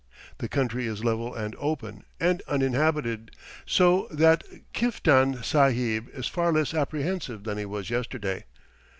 The country is level and open, and uninhabited, so that Kiftan Sahib is far less apprehensive than he was yesterday.